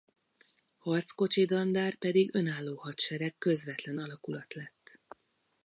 Harckocsi Dandár pedig önálló hadsereg közvetlen alakulat lett.